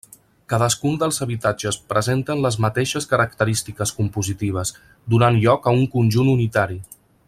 Cadascun dels habitatges presenten les mateixes característiques compositives, donant lloc a un conjunt unitari.